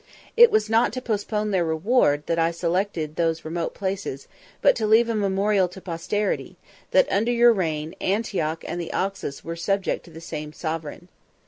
"It was not to postpone their reward, that I selected those remote places, but to leave a memorial to posterity, that, under your reign, Antioch and the Oxus were subject to the same sovereign."